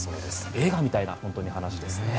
映画みたいな話ですね。